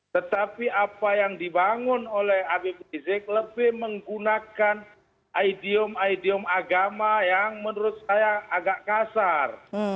tetapi apa yang dibangun oleh habib rizik lebih menggunakan idiom idiom agama yang menurut saya agak kasar